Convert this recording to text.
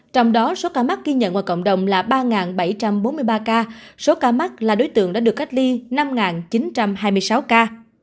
trong đó số ca mắc ghi nhận ngoài cộng đồng là ba bảy trăm bốn mươi ba ca số ca mắc là đối tượng đã được cách ly năm chín trăm hai mươi sáu ca